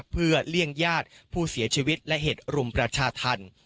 เพื่อเลี่ยงญาติผู้เสียชีวิตและเหตุรุมประชาธรรม